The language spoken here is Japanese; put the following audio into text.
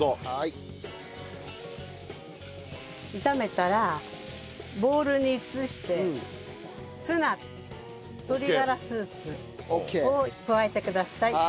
炒めたらボウルに移してツナ鶏がらスープを加えてください。